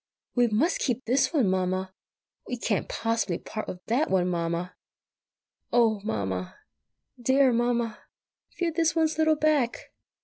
"We must keep this one, Mamma!" "We can't possibly part with that one, Mamma!" "Oh, Mamma!" "Dear Mamma!" "Feel this one's little back!"